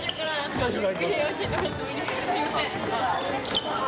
すいません。